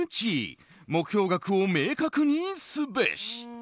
目標額を明確にすべし！